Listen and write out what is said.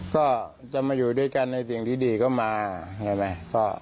ก็จะมาอยู่ด้วยกันในสิ่งดีก็มาใช่ไหม